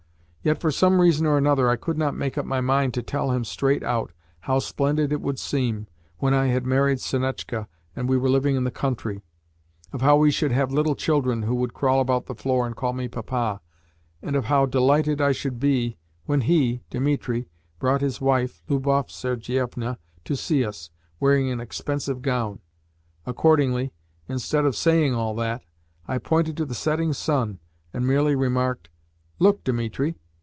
Yet for some reason or another I could not make up my mind to tell him straight out how splendid it would seem when I had married Sonetchka and we were living in the country of how we should have little children who would crawl about the floor and call me Papa, and of how delighted I should be when he, Dimitri, brought his wife, Lubov Sergievna, to see us, wearing an expensive gown. Accordingly, instead of saying all that, I pointed to the setting sun, and merely remarked: "Look, Dimitri!